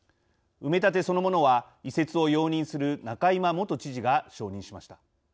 埋め立てそのものは移設を容認する仲井真元知事が承認しました。